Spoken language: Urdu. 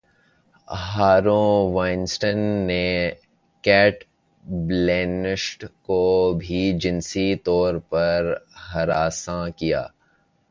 ہاروی وائنسٹن نے کیٹ بلینشٹ کو بھی جنسی طور پر ہراساں کیا